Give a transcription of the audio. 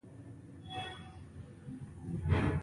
د هغو پر ځای د لامبو جامې راوړل کیږي